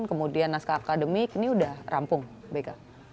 kemudian naskah akademik ini sudah rampung beka